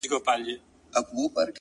زما زنده گي وخوړه زې وخوړم-